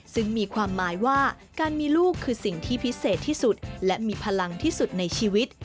ซึ่งมีความหมายว่าการมีลูกคือสิ่งที่พิเศษที่สุดและมีพลังที่สุดในชีวิต